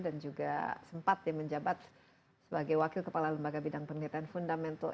dan juga sempat dia menjabat sebagai wakil kepala lembaga bidang penglihatan fundamental